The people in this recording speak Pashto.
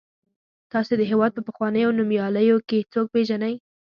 تاسې د هېواد په پخوانیو نومیالیو کې څوک پیژنئ.